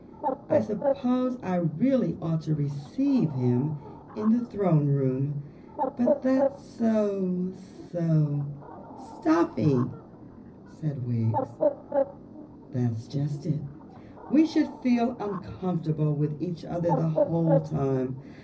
I suppose really I ought to receive him in the Throne Room, but that's so so " "Stuffy," said Wiggs. "That's just it. We should feel uncomfortable with each other the whole time.